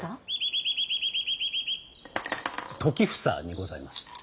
時房にございます。